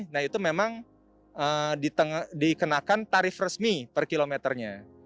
nah itu memang dikenakan tarif resmi per kilometernya